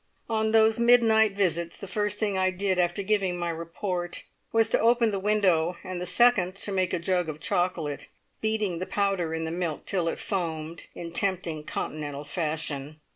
On those midnight visits, the first thing I did after giving my report, was to open the window, and the second to make a jug of chocolate, beating the powder in the milk till it foamed, in tempting continental fashion.